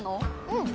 うん！